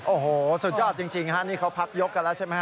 โอ้โหสุดยอดจริงฮะนี่เขาพักยกกันแล้วใช่ไหมฮ